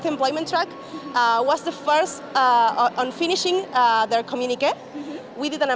itu adalah yang pertama untuk menyelesaikan komunikasi mereka